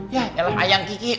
ya elah ayang kiki